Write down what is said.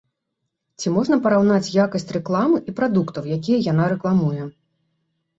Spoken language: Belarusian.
Ці можна параўнаць якасць рэкламы і прадуктаў, якія яна рэкламуе.